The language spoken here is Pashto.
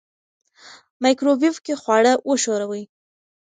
مایکروویو کې خواړه وښوروئ.